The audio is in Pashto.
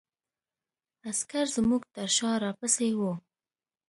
عسکر زموږ تر شا را پسې وو.